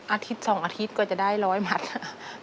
อาทิตย์๒อาทิตย์กว่าจะได้๑๐๐มัดค่ะ